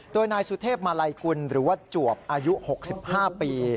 โดยนายสุเทพมาลัยกุลหรือว่าจวบอายุ๖๕ปี